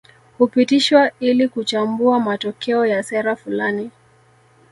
Hupitishwa ili kuchambua matokeo ya sera fulani